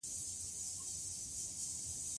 افغانستان د اوږده غرونه لپاره مشهور دی.